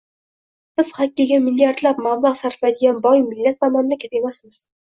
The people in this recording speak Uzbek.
Biz xokkeyga milliardlab mablag 'sarflaydigan boy millat va mamlakat emasmiz